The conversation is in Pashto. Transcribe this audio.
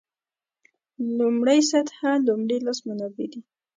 لومړۍ سطح لومړي لاس منابع دي.